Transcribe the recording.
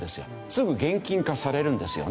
すぐ現金化されるんですよね。